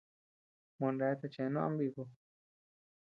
Moneatea cheʼë no ama bíku.